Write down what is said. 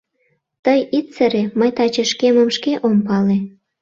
Тый ит сыре, мый таче шкемым шке ом пале.